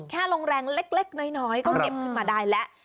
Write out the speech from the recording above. แค่ลงแรงเล็กน้อยก็เก็บขึ้นมาได้แล้ว